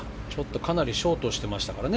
かなりショートしていましたからね。